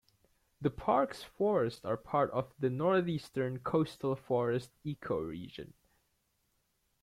The park's forests are part of the Northeastern coastal forests ecoregion.